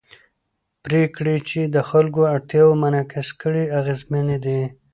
پرېکړې چې د خلکو اړتیاوې منعکس کړي اغېزمنې دي